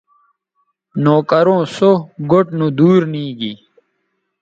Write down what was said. نوکروں سو گوٹھ نودور نیگی